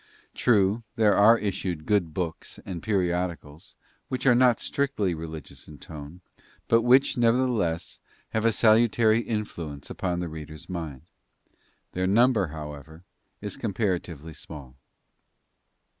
True, there are issued good books and periodicals which are not strictly religious in tone, but which, nevertheless, have a salutary influence upon the reader's mind. Their number, however, is comparatively small.